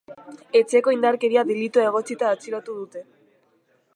Etxeko indarkeria delitua egotzita atxilotu dute.